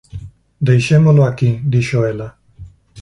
“Deixámolo aquí” dixo ela.